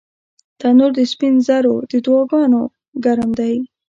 تنور د سپین زرو د دعاګانو ګرم دی